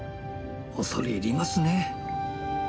恐れ入りますね。